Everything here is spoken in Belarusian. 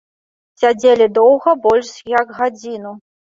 Сядзелі доўга, больш як гадзіну.